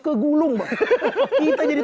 kegulung bang kita jadi